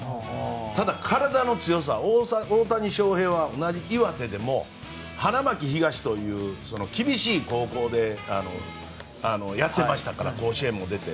ただ、体の強さ、大谷翔平は同じ岩手でも花巻東という厳しい高校でやってましたから甲子園も出て。